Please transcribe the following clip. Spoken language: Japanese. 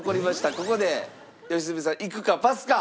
ここで良純さんいくかパスか。